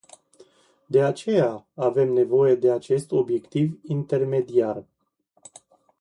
De aceea avem nevoie de acest obiectiv intermediar.